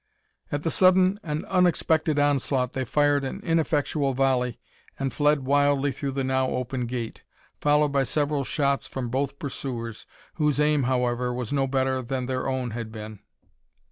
At the sudden and unexpected onslaught, they fired an ineffectual volley and fled wildly through the now open gate, followed by several shots from both pursuers, whose aim, however, was no better than their own had been.